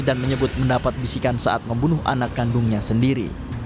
dan menyebut mendapat bisikan saat membunuh anak kandungnya sendiri